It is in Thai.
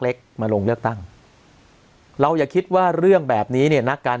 เล็กมาลงเลือกตั้งเราอย่าคิดว่าเรื่องแบบนี้เนี่ยนักการ